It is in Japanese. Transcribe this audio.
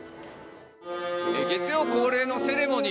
月曜恒例のセレモニー